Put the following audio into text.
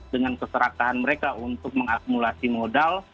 dengan keserakahan mereka untuk mengakumulasi modal